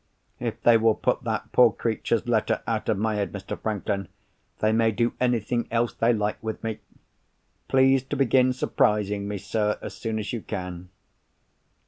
"If they will put that poor creature's letter out of my head, Mr. Franklin, they may do anything else they like with me. Please to begin surprising me, sir, as soon as you can."